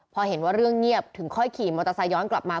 พอเห็นว่าเรื่องเงียบถึงค่อยขี่มอเตอร์ไซค์ย้อนกลับมา